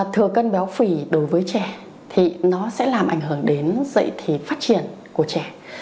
thừa cân béo phì đối với trẻ sẽ làm ảnh hưởng đến dạy thí phát triển của trẻ